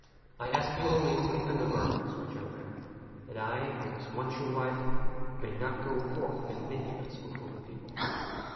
I ask you only for the undergarments which I wear, that I, who was once your wife, may not go forth in nakedness before the people."